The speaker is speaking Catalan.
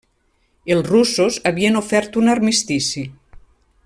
Els russos havien ofert un armistici.